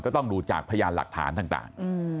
ต้องดูจากพยานหลักฐานต่าง